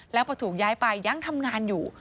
แล้วพอถูกย้ายไปยังทำงานอยู่